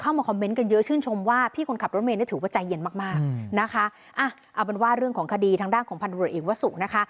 อ้ะเอาเป็นว่าเรื่องของคดีทางด้านของพันธุรกิจอีกว่าสู่นะคะ